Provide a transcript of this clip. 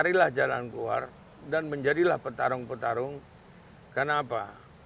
kalau kita hanya mencari jalan keluar dan menjadilah petarung petarung kenapa